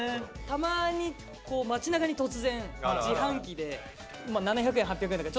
たまに街なかに突然自販機で７００円８００円とか。